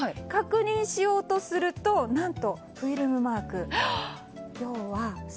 確認しようとすると何とフィルムマーク。